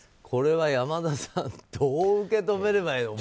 これは山田さんどう受け止めればいい？